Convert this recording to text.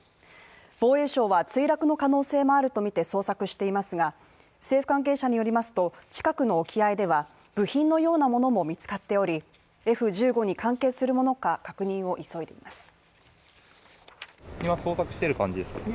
防衛省は墜落の可能性もあるとみて捜索していますが、政府関係者によりますと近くの沖合では、部品のようなものも見つかっており、Ｆ−１５に関係するものか確認を急いでいます。